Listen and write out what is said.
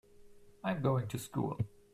I'm going to school.